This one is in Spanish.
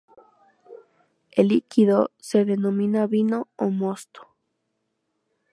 El líquido se denomina vino o mosto.